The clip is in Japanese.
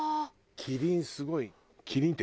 キリンすごい。